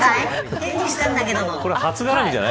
返事したんだけど。